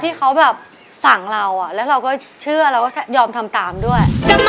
ที่เขาแบบสั่งเราแล้วเราก็เชื่อเราก็ยอมทำตามด้วย